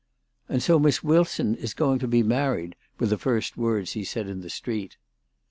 " And so Miss Wilson is going to be married," were the first words he said in the street.